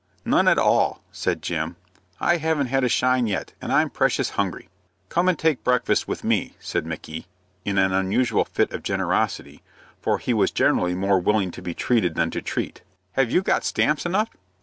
"None at all," said Jim. "I haven't had a shine yet, and I'm precious hungry." "Come and take breakfast with me," said Micky, in an unusual fit of generosity; for he was generally more willing to be treated than to treat. "Have you got stamps enough?"